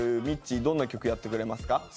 みっちーどんな曲やってくれますか？